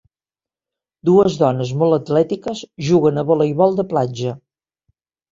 Dues dones, molt atlètiques, juguen a voleibol de platja.